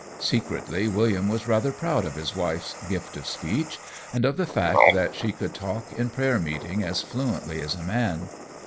Secretly, William was rather proud of his wife's "gift of speech," and of the fact that she could talk in prayer meeting as fluently as a man.